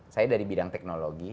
saya dari bidang teknologi